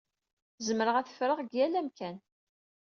Zemreɣ ad ffreɣ deg yal amkan.